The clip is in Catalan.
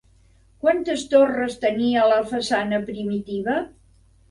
Quantes torres tenia la façana primitiva?